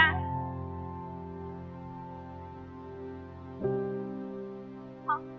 lại con lại khóc